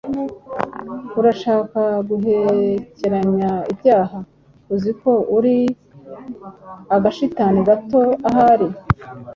urashaka guhekeranya ibyaha? Uzi ko uri agashitani gato ahari?